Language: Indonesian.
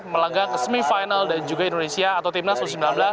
melanggang semifinal dan juga indonesia atau timnas u sembilan belas